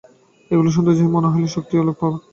এগুলি সৌন্দর্যহীন মনে হইলেও ইহা শক্তি ও আলোকপ্রদ।